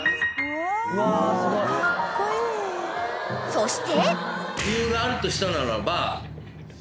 ［そして］